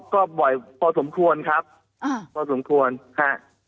ก็บ่อยพอสมควรครับอ่าพอสมควรฮะ